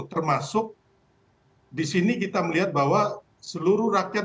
termasuk di sini kita melihat bahwa seluruh rakyat